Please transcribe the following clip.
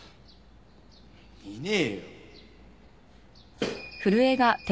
いねえよ。